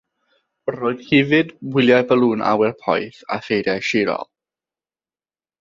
Roedd hefyd wyliau balŵn awyr poeth a ffeiriau sirol.